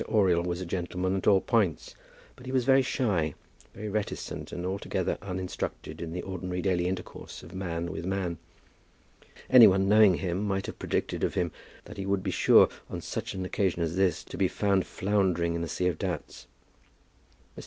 Oriel was a gentleman at all points; but he was very shy, very reticent, and altogether uninstructed in the ordinary daily intercourse of man with man. Any one knowing him might have predicted of him that he would be sure on such an occasion as this to be found floundering in a sea of doubts. Mr.